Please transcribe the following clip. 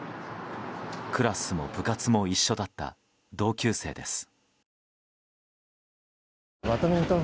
クラスも部活も一緒だった同級生です。